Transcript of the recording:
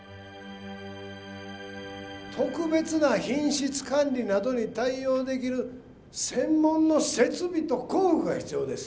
特別な品質管理などに対応できる専門の設備と工具が必要です。